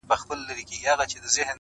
• هغه چوپ ناست وي تل..